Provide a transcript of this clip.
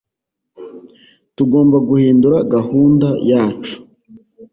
tugomba guhindura gahunda yacu